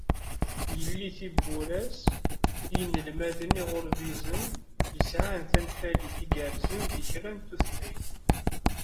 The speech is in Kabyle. Yeldi tiwwura-s i yinelmaden iɣurbizen yesɛan tanfalit igerrzen di kra n tutlayt.